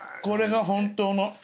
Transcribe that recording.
これが本当の。